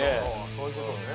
そういうことね。